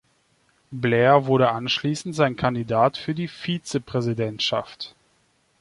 Blair wurde anschließend sein Kandidat für die Vizepräsidentschaft.